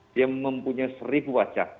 dia mempunyai seribu wajah